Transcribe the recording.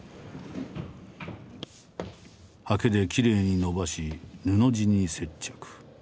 はけできれいに伸ばし布地に接着。